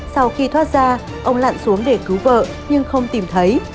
sau khi thoát ra ông lặn xuống để cứu vợ nhưng không tìm thấy